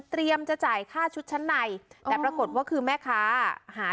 จะจ่ายค่าชุดชั้นในแต่ปรากฏว่าคือแม่ค้าหา